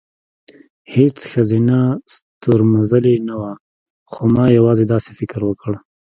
هېڅ ښځینه ستورمزلې نه وه، خو ما یوازې داسې فکر وکړ،